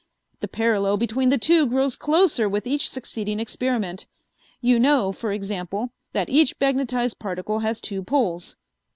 The parallel between the two grows closer with each succeeding experiment. You know, for example, that each magnetized particle has two poles.